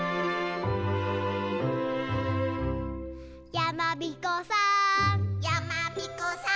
「やまびこさーん」